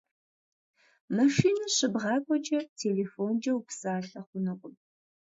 Машинэ щыбгъакӏуэкӏэ телефонкӏэ упсалъэ хъунукъым.